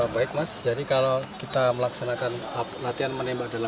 baik mas jadi kalau kita melaksanakan latihan menembak dalam keseharian di lapangan tembak jamzari ini